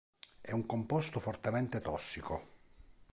È un composto fortemente tossico.